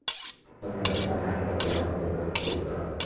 প্রথমে তাকে স্থানীয় হাসপাতাল, পরে রংপুর মেডিকেল কলেজ হাসপাতালে ভর্তি করা হয়।